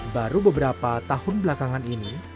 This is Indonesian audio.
baru beberapa tahun belakangan ini